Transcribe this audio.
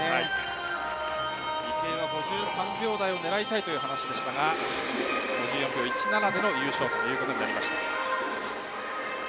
池江は５３秒台を狙いたいという話でしたが５３秒１７での優勝でした。